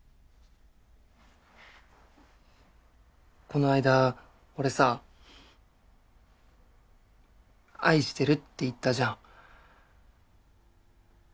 この間俺さ「愛してる」って言ったじゃん？